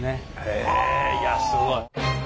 へえいやすごい。